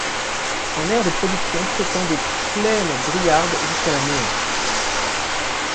Son aire de production s'étend des plaines briardes jusqu'à la Meuse.